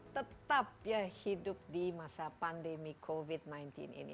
tetap ya hidup di masa pandemi covid sembilan belas ini